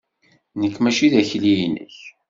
Nekk maci d akli-nnek!